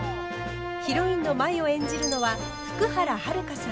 ヒロインの舞を演じるのは福原遥さん。